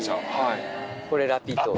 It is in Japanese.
これ、ラピート。